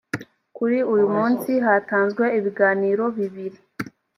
kuri uyu munsi hatanzwe ibiganiro bibiri